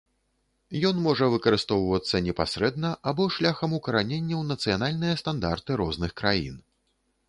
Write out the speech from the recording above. Ён можа выкарыстоўвацца непасрэдна або шляхам укаранення ў нацыянальныя стандарты розных краін.